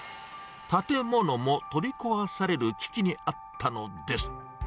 建物も取り壊される危機にあったのです。